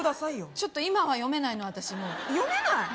ちょっと今は読めないの私もう読めない？